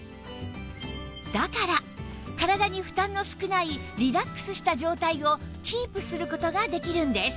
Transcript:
だから体に負担の少ないリラックスした状態をキープする事ができるんです